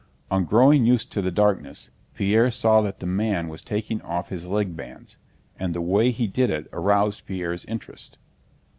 On growing used to the darkness Pierre saw that the man was taking off his leg bands, and the way he did it aroused Pierre's interest.